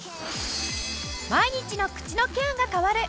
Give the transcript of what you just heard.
毎日の口のケアが変わる！